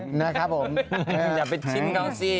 จับจับสินะครับผมอย่าไปชิมเขาสิ